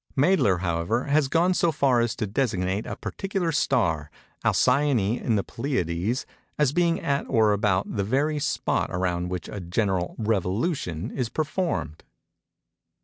Mädler, however, has gone so far as to designate a particular star, Alcyone in the Pleiades, as being at or about the very spot around which a general revolution is performed.